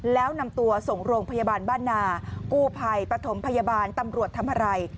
แล้วนำตัวส่งโรงพยาบาลบ้านนากู้ภัยปฐมพยาบาลตำรวจทำอะไร